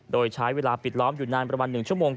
โดยใช้เวลาปิดล้อมอยู่นานประมาณ๑ชั่วโมง